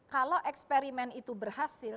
kalau eksperimen itu berhasil